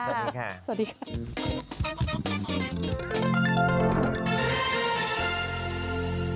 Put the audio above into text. สวัสดีค่ะ